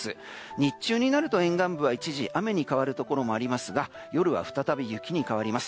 日中になると沿岸部は一時雨に変わるところがありますが夜は再び雪に変わります。